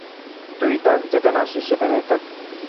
তুই থাক, যেখানে আছিস সেখানেই থাক।